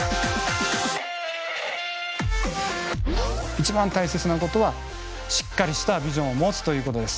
一番大切なことはしっかりしたビジョンを持つということです。